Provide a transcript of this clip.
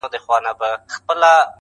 خدای دي رحم پر زاړه کفن کښ وکي!!